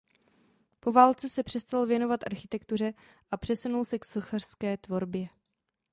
Po válce se přestal věnovat architektuře a přesunul se k sochařské tvorbě.